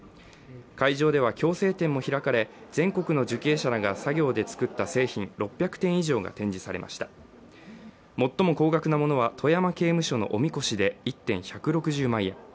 会場では矯正展も開かれ全国の受刑者らが作業で作った製品６００点以上が展示されました最も高額なものは、富山刑務所のおみこしで１点１６０万円。